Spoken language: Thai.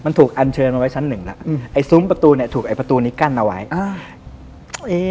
มันถูกอันเชิญมาไว้ชั้นหนึ่งแล้วอืมไอ้ซุ้มประตูเนี้ยถูกไอ้ประตูนี้กั้นเอาไว้อ่า